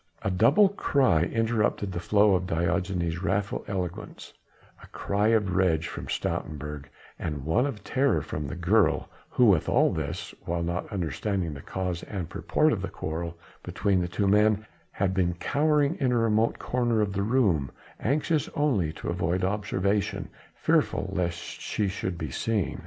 A double cry interrupted the flow of Diogenes' wrathful eloquence: a cry of rage from Stoutenburg and one of terror from the girl, who all this while not understanding the cause and purport of the quarrel between the two men had been cowering in a remote corner of the room anxious only to avoid observation, fearful lest she should be seen.